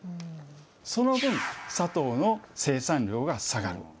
その分、砂糖の生産量が下がる。